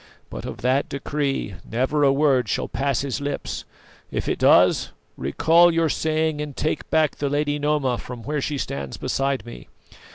But of that decree never a word shall pass his lips; if it does, recall your saying and take back the lady Noma from where she stands beside me.